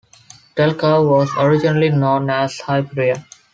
TelCove was originally known as Hyperion.